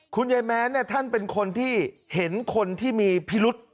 คุณยายแม้นเนี้ยท่านเป็นคนที่เห็นคนที่มีพิรุษ